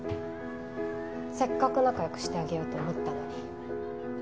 せっかく仲良くしてあげようと思ったのに。